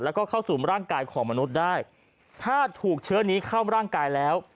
แล้วก็เข้าสู่ร่างกายของมนุษย์ได้ถ้าถูกเชื้อนี้เข้าร่างกายแล้ว